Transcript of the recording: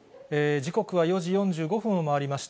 時刻は４時４５分を回りました。